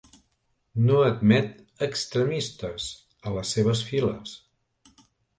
No admet extremistes a les seves files.